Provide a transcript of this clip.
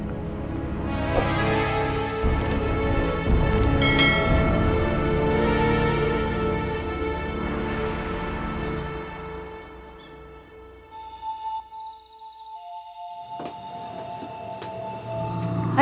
yang mengerti bagaimana aku nyinawang